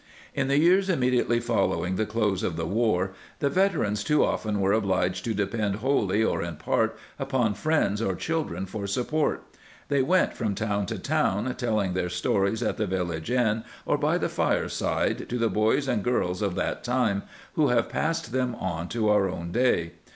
/ In the years immediately following the close of / the war the veterans too often were obliged to I depend wholly or in part upon friends or chil j dren for support ; they went from town to town, telling their stories at the village inn or by the fireside to the boys and girls of that time, who have passed them on to our own day.